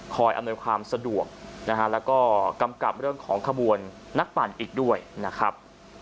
อำนวยความสะดวกนะฮะแล้วก็กำกับเรื่องของขบวนนักปั่นอีกด้วยนะครับ